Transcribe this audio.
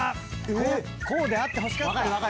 こうであってほしかった。